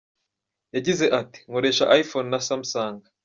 Yagize ati “ Nkoresha iPhone na Samsung.